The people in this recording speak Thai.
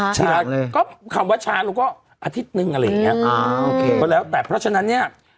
ชาติก็คำว่าชาติเราก็อาทิตย์หนึ่งอะไรอย่างเพราะฉะนั้นเนี่ย